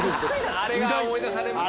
あれが思い出されます